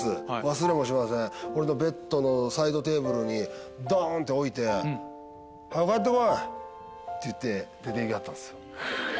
忘れもしません俺のベッドのサイドテーブルにドン！って置いて。って言って出て行きはったんですよ。